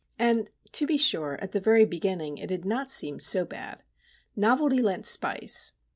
And, to be sure, at the very beginning it had not seemed so bad. Novelty lent spice.